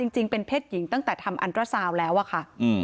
จริงเป็นเพศหญิงตั้งแต่ทำอันตราซาวน์แล้วอะค่ะ